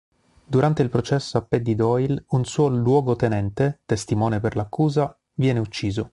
Durante il processo a Paddy Doyle un suo luogotenente, testimone per l'accusa, viene ucciso.